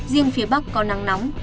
riêng phía bắc có nắng nóng